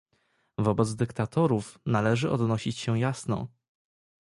Wobec dyktatorów należy odnosić się jasno